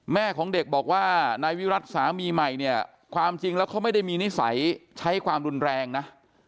แม่ของเด็กบอกว่านายวิรัติสามีใหม่เนี่ยความจริงแล้วเขาไม่ได้มีนิสัยใช้ความรุนแรงนะ